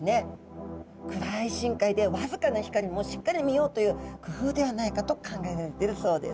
暗い深海で僅かな光もしっかり見ようという工夫ではないかと考えられているそうです。